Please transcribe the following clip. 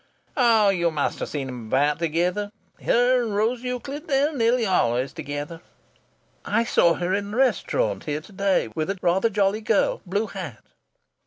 "Oh! You must have seen them about together her and Rose Euclid! They're nearly always together." "I saw her in the restaurant here to day with a rather jolly girl blue hat."